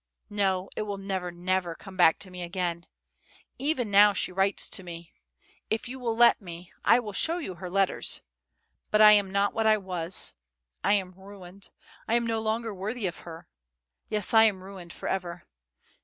... No, it will never, never come back to me again! Even now she writes to me: if you will let me, I will show you her letters. But I am not what I was; I am ruined; I am no longer worthy of her. ... Yes, I am ruined for ever.